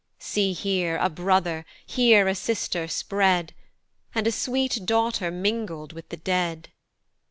See here a brother, here a sister spread, And a sweet daughter mingled with the dead.